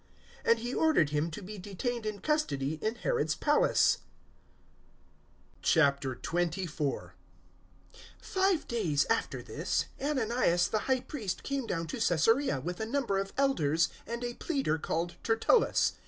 And he ordered him to be detained in custody in Herod's Palace. 024:001 Five days after this, Ananias the High Priest came down to Caesarea with a number of Elders and a pleader called Tertullus.